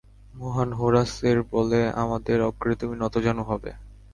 মহান হোরাস এর বলে, আমাদের অগ্রে তুমি নতজানু হবে।